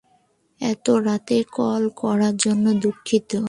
এত রাতে কল করার জন্য দুঃখিত।